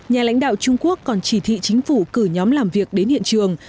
nhà lãnh đạo trung quốc còn chỉ thị chính phủ cử nhóm làm việc đến hiện trường